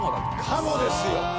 かもですよ。